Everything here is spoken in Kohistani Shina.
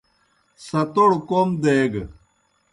ستوڑ کوْم دیگہ۔